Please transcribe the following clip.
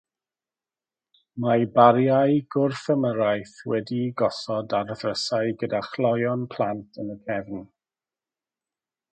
Mae bariau gwrth-ymyrraeth wedi'u gosod ar ddrysau gyda chloeon plant yn y cefn.